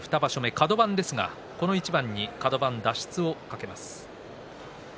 カド番ですがこの一番にカド番脱出を懸けます。